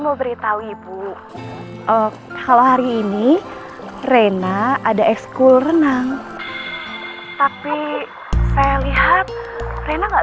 mau beritahu ibu kalau hari ini rena ada ekskul renang tapi saya lihat rena nggak